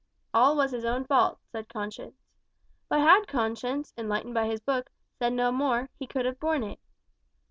"All was his own fault," said conscience. But had conscience, enlightened by his book, said no more, he could have borne it.